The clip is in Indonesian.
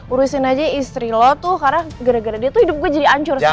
urusin aja istri lo tuh karena gara gara dia tuh hidup gue jadi hancur sih